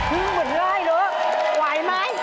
มึงเหมือนร้ายเหรอไหวไหม